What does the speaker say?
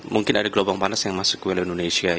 mungkin ada gelombang panas yang masuk ke wilayah indonesia